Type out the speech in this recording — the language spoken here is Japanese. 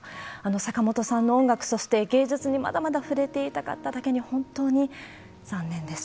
坂本さんの音楽、そして芸術にまだまだ触れていたかっただけに、本当に残念です。